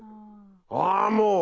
ああもう！